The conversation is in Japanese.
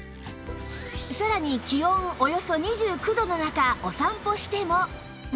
さらに気温およそ２９度の中お散歩しても